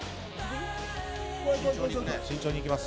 慎重に行きます。